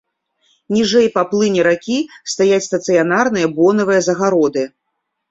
Ніжэй па плыні ракі стаяць стацыянарныя бонавыя загароды.